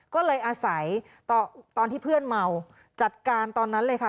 ก็เลยอาศัยตอนที่เพื่อนเมาจัดการตอนนั้นเลยค่ะ